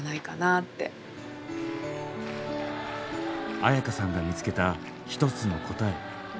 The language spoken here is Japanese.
絢香さんが見つけた一つの答え。